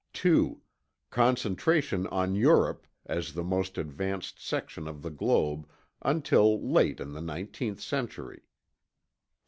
2. Concentration on Europe, as the most advanced section of the globe, until late in the nineteenth century.